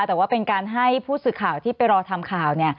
แต่ว่าเป็นการให้ผู้สื่อข่าวที่ไปรอทำข่าว